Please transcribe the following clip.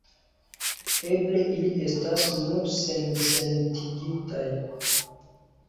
Eble ili estas nur sensentigitaj?